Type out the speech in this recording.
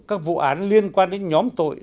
các vụ án liên quan đến nhóm tội